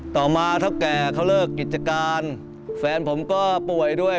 ต่อมาเท่าแก่เขาเลิกกิจการแฟนผมก็ป่วยด้วย